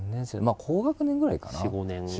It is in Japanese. ４５年ぐらいかな。